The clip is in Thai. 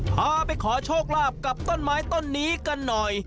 พาไปขอโชคลาภกับต้นไม้ต้นนี้กันหน่อย